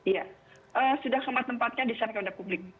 ya sudah keempat empatnya disampaikan kepada publik